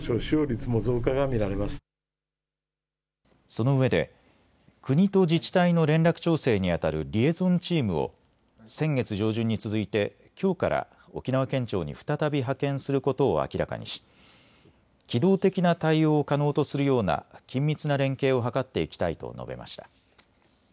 そのうえで国と自治体の連絡調整にあたるリエゾンチームを先月上旬に続いてきょうから沖縄県庁に再び派遣することを明らかにし機動的な対応を可能とするような緊密な連携を図っていきたいと述べました。